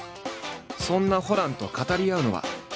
そんなホランと語り合うのは。